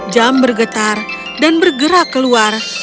jam bergetar dan bergerak keluar